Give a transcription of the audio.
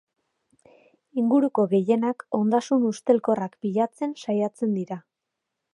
Inguruko gehienak ondasun ustelkorrak pilatzen saiatzen dira.